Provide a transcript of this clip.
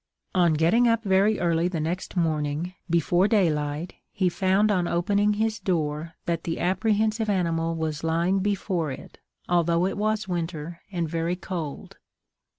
On getting up very early the next morning, before daylight, he found on opening his door that the apprehensive animal was lying before it, although it was winter, and very cold.